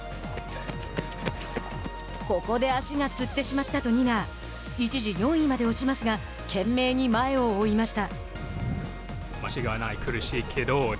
ここで足がつってしまったとニナー一時、４位まで落ちますが懸命に前を追いました。